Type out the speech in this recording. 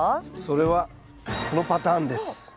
それはこのパターンです。